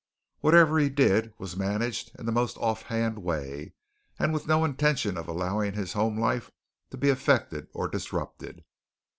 Whatever he did was managed in the most offhand way and with no intention of allowing his home life to be affected or disrupted.